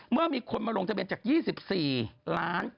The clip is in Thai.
เมื่อมีคนมาลงทะเบียนจาก๒๔ล้าน